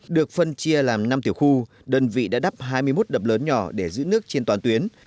được phân chia làm năm tiểu khu đơn vị đã đắp hai mươi một đập lớn nhỏ để giữ nước trên toàn tuyến